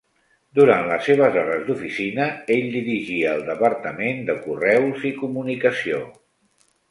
Durant les seves hores d'oficina ell dirigia el Departament de Correus i Comunicació.